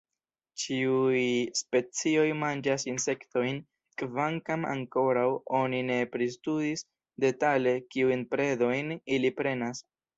Ĉiuj specioj manĝas insektojn, kvankam ankoraŭ oni ne pristudis detale kiujn predojn ili prenas.